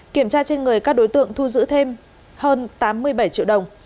kiểm tra trên người các đối tượng thu giữ thêm hơn tám mươi bảy triệu đồng